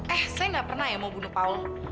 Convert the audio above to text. eh saya gak pernah ya mau bunuh paul